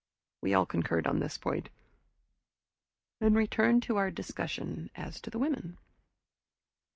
We all concurred on this point, and returned to our discussion as to the women.